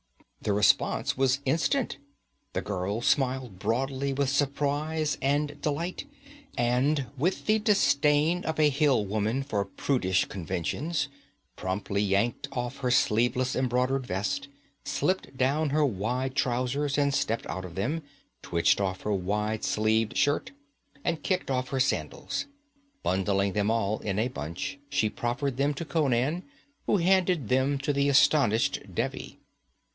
The response was instant. The girl smiled broadly with surprize and delight, and, with the disdain of a hill woman for prudish conventions, promptly yanked off her sleeveless embroidered vest, slipped down her wide trousers and stepped out of them, twitched off her wide sleeved shirt, and kicked off her sandals. Bundling them all in a bunch, she proffered them to Conan, who handed them to the astonished Devi.